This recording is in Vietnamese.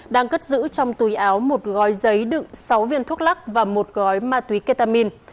đang cất giữ trong túi áo một gói giấy đựng sáu viên thuốc lắc và một gói ma túy ketamin